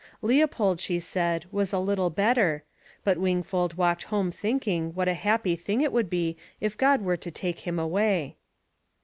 Leopold, she said, was a little better, but Wingfold walked home thinking what a happy thing it would be if God were to take him away.